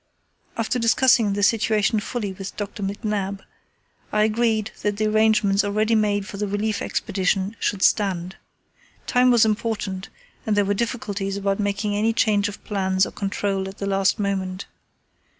After discussing the situation fully with Dr. McNab, I agreed that the arrangements already made for the relief expedition should stand. Time was important and there were difficulties about making any change of plans or control at the last moment.